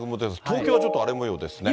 東京はちょっと荒れもようですね。